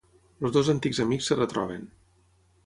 Els dos antics amics es retroben.